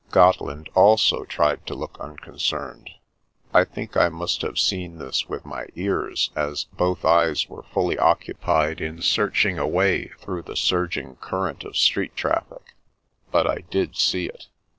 Gotteland also tried to look unconcerned. I think I must have seen this with my ears, as both eyes were fully occupied in searching a way through the surging current of street traffic, but I did see it.